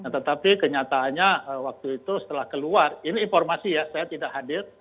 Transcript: tetapi kenyataannya waktu itu setelah keluar ini informasi ya saya tidak hadir